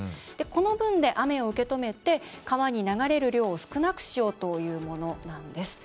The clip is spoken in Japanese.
この分で、雨を受け止めて川に流れる量を少なくしようというものなんです。